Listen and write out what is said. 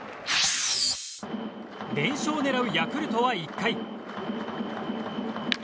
連勝を狙うヤクルトは１回。